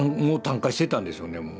もう炭化してたんですよね